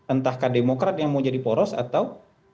entah kdemokrat yang mau jadi poros atau